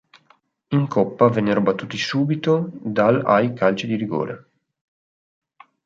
In coppa vennero battuti subito dal ai calci di rigore.